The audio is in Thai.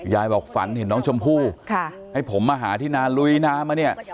ยายบอกฝันเห็นน้องชมพู่ให้ผมมาหาที่นาลุยน้ำมาเนี่ย